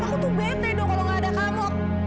aku tuh bete dong kalau gak ada kamu